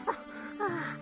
ああ？